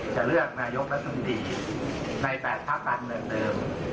จะเลือกนายกรัฐธรรมดีในแปดพระคันเมืองเดิม